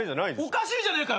おかしいじゃねえかよ